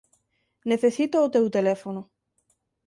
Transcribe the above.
Necesito o teu teléfono.